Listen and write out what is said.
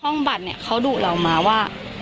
ห้องบัตรเนี่ยเขาดุเรามาว่า